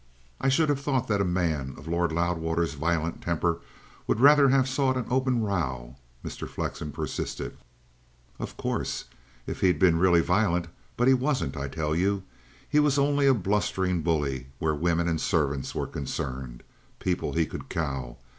"I should have thought that a man of Lord Loudwater's violent temper would rather have sought an open row," Mr. Flexen persisted. "Of course if he'd been really violent. But he wasn't, I tell you. He was only a blustering bully where women and servants were concerned people he could cow.